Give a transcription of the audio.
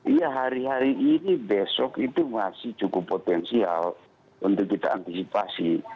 iya hari hari ini besok itu masih cukup potensial untuk kita antisipasi